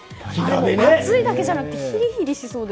熱いだけじゃなくてヒリヒリしそうで。